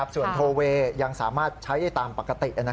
ส่วนโทเวย์ยังสามารถใช้ได้ตามปกติ